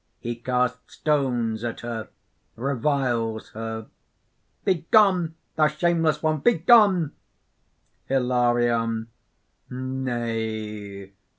He casts stones at her, reviles her._) "Begone! thou shameless one! Begone!" HILARION. "Nay!